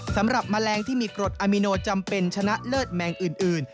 แมลงที่มีกรดอามิโนจำเป็นชนะเลิศแมงอื่น